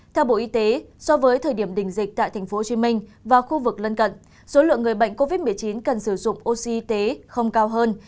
theo bộ y tế so với thời điểm đỉnh dịch tại tp hcm và khu vực lân cận số lượng người bệnh covid một mươi chín cần sử dụng oxy không cao hơn